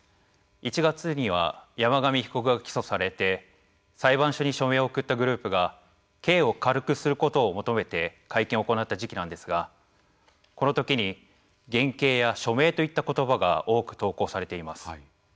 １月には山上被告が起訴されて裁判所に署名を送ったグループが刑を軽くすることを求めて会見を行った時期なんですがこのときに減刑や署名といった言葉が多く投稿されています。